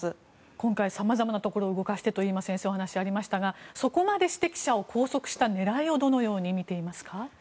今回、さまざまなところを動かしてというお話がありましたがそこまでして記者を拘束した狙いをどのように見ていますか？